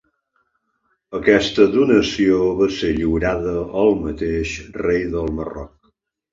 Aquesta donació va ser lliurada el mateix rei del Marroc.